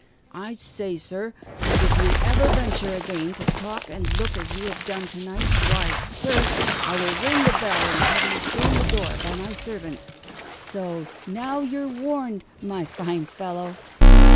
"I say, sir, that if you ever venture again to talk and look as you have done to night, why, sir, I will ring the bell and have you shown the door by my servants. So now you're warned, my fine fellow!"